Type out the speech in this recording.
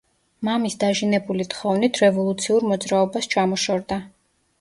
მამის დაჟინებული თხოვნით რევოლუციურ მოძრაობას ჩამოშორდა.